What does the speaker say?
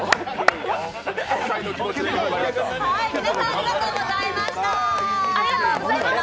ありがとうございます。